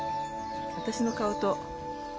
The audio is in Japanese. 私の顔と。